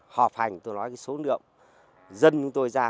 họp hành tôi nói cái số lượng dân chúng tôi ra